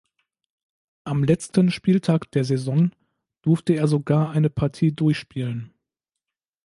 Am letzten Spieltag der Saison durfte er sogar eine Partie durchspielen.